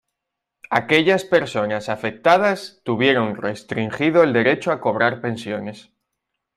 Aquellas personas afectadas, tuvieron restringido el derecho a cobrar pensiones.